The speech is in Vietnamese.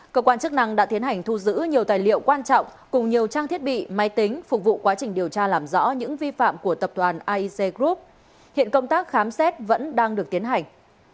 cơ quan chức năng đã tiến hành thu giữ nhiều tài liệu quan trọng cùng nhiều trang thiết bị máy tính phục vụ quá trình điều tra làm rõ những vi phạm của tập đoàn aic group hiện công tác khám xét vẫn đang được tiến hành